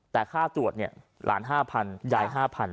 แต่ค่าตรวจเนี่ยหลาน๕๐๐ยาย๕๐๐